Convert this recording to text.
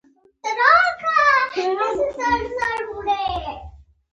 که دې ګواښونو پر وړاندې مقاومت کړی وای مسیر بدل وای.